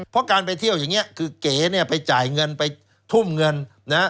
เพราะการไปเที่ยวอย่างนี้คือเก๋เนี่ยไปจ่ายเงินไปทุ่มเงินนะฮะ